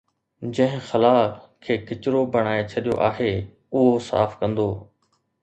جنهن خلاءَ کي ڪچرو بڻائي ڇڏيو آهي، اهو صاف ڪندو